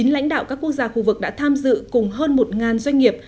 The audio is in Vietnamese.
lãnh đạo các quốc gia khu vực đã tham dự cùng hơn một doanh nghiệp